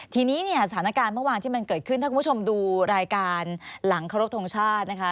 ทีนี้เนี่ยสถานการณ์เมื่อวานที่มันเกิดขึ้นถ้าคุณผู้ชมดูรายการหลังเคารพทงชาตินะคะ